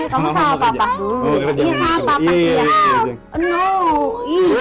kamu sama papa dulu